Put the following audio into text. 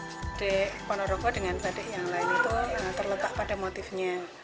badek ponorogo dengan badek yang lain itu terletak pada motifnya